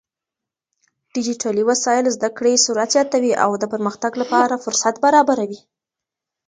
ډيجيټلي وسايل زده کړې سرعت زياتوي او د پرمختګ لپاره فرصت برابروي.